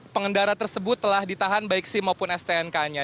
empat puluh pengendara tersebut telah ditahan baik sim maupun stnk nya